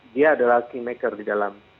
dia adalah kingmaker di dalam